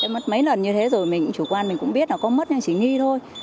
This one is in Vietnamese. mất mấy lần như thế rồi chủ quan mình cũng biết là có mất nhưng chỉ nghi thôi